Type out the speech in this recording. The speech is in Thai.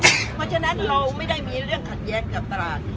เพราะฉะนั้นเราไม่ได้มีเรื่องขัดแย้งกับตลาด